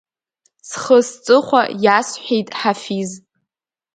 Схы-сҵыхәа иасҳәеит Ҳафиз.